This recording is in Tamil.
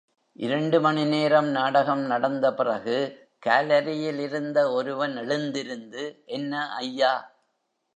இரண்டுமணி நேரம் நாடகம் நடந்த பிறகு, காலெரி யிலிருந்த ஒருவன் எழுந்திருந்து என்ன ஐயா?